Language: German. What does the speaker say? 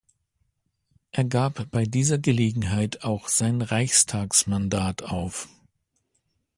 Er gab bei dieser Gelegenheit auch sein Reichstagsmandat auf.